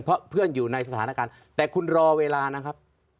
เพราะเพื่อนอยู่ในสถานการณ์แต่คุณรอเวลานะครับ